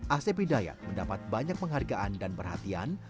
asep hidayat mendapat banyak penghargaan dan perhatian